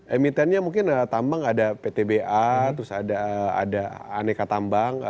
emitennya mungkin tambang ada ptba terus ada aneka tambang